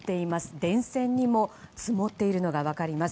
電線にも積もっているのが分かります。